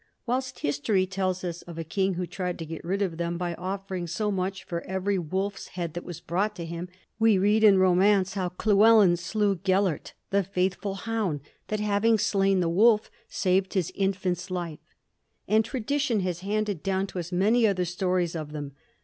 Whilst history tells us of a king who tried to get rid of them by offering so much for every wolf's head that was brought to him, we read in romance how Llewellyn slew Gelert, the faithful hound that, having slain the wolf, saved his infant's life; and tradition has handed down to us many other stories of them.